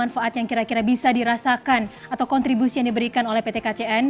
manfaat yang kira kira bisa dirasakan atau kontribusi yang diberikan oleh pt kcn